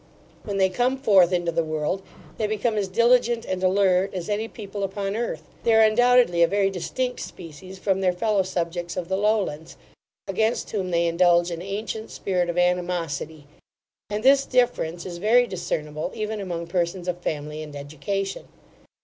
When they come forth into the world, they become as diligent and alert as any people upon earth. They are undoubtedly a very distinct species from their fellow subjects of the Lowlands, against whom they indulge an ancient spirit of animosity; and this difference is very discernible even among persons of family and education.